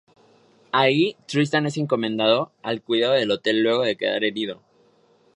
Ahí, Tristán es encomendado al cuidado de Hoel luego de quedar herido.